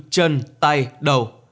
nhân tay đầu